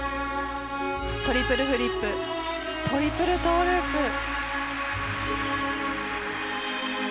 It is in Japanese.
トリプルフリップトリプルトウループ。